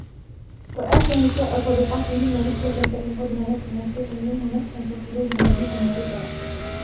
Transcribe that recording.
وَآتُوا النِّسَاءَ صَدُقَاتِهِنَّ نِحْلَةً فَإِنْ طِبْنَ لَكُمْ عَنْ شَيْءٍ مِنْهُ نَفْسًا فَكُلُوهُ هَنِيئًا مَرِيئًا